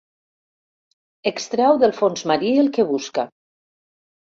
Extreu del fons marí el que busca.